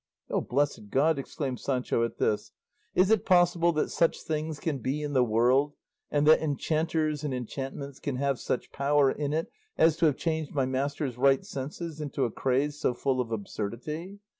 "O blessed God!" exclaimed Sancho aloud at this, "is it possible that such things can be in the world, and that enchanters and enchantments can have such power in it as to have changed my master's right senses into a craze so full of absurdity!